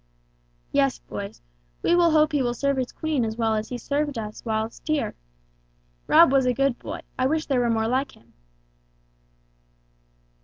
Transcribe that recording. "Yes, boys, we will hope he will serve his Queen as well as he served us whilst here. Rob was a good boy: I wish there were more like him."